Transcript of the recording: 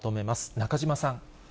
中島さん。